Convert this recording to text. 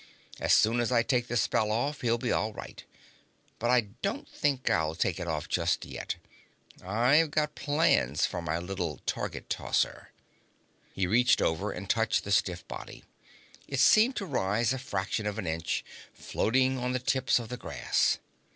As soon as I take the spell off, he'll be all right. But I don't think I'll take it off just yet. I've got plans for my little target tosser." He reached over and touched the stiff body. It seemed to rise a fraction of an inch, floating on the tips of the grass.